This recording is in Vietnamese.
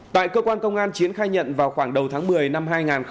tại cơ quan công an chiến khai nhận vào khoảng đầu tháng một mươi năm hai nghìn hai mươi ba